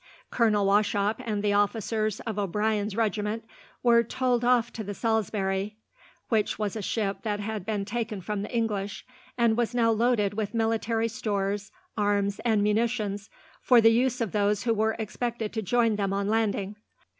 Colonel Wauchop and the officers of O'Brien's regiment were told off to the Salisbury, which was a ship that had been taken from the English, and was now loaded with military stores, arms, and munitions for the use of those who were expected to join them on landing.